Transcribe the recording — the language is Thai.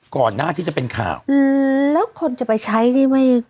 ก่อนหน้าที่จะเป็นข่าวอืมแล้วคนจะไปใช้นี่ไม่